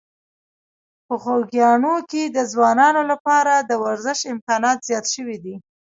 په خوږیاڼي کې د ځوانانو لپاره د ورزش امکانات زیات شوي دي.